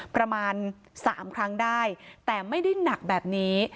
ประมาณ๓ครั้งได้แต่ไม่ได้หนักแบบนี้